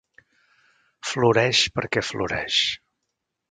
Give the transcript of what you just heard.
Floreix perquè floreix.